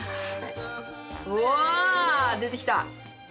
うわ出てきた！